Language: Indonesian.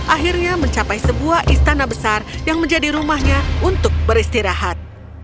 akhirnya mencapai sebuah istana besar yang menjadi rumahnya untuk beristirahat